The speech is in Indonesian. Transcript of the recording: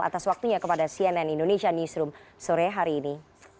atas waktunya kepada cnn indonesia newsroom sore hari ini